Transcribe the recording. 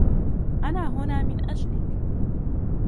أنا هنا من أجلك.